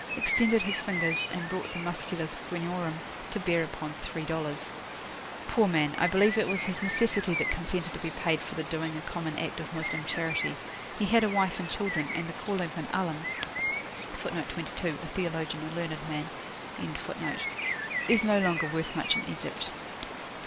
extended his fingers, and brought the "musculus guineorum" to bear upon three dollars. Poor man! I believe it was his necessity that consented to be paid for the doing a common act of Moslem charity; he had a wife and children, and the calling of an Alim[FN#22] is no longer worth much in Egypt.